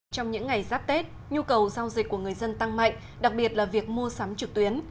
trong những ngày giáp tết nhu cầu giao dịch của người dân tăng mạnh đặc biệt là việc mua sắm trực tuyến